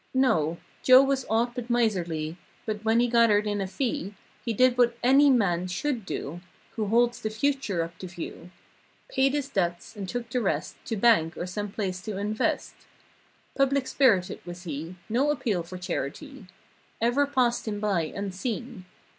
'' No. Joe was aught but miserly But when he gathered in a fee He did what any man should do Who holds the future up to view: Paid his debts and took the rest To bank or some place to invest. Public spirited was he— No appeal for charity Ever passed him by unseen.